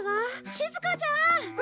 しずかちゃん！